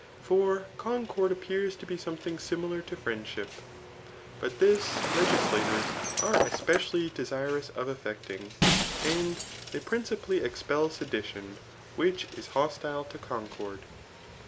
For concord appears to be something similar to friendship ; but this legislators are especially desirous of effecting, and they principally expel sedition, which is hostile to concord.